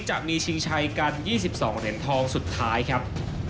ชิงชัยกัน๒๒เหรียญทองสุดท้ายครับ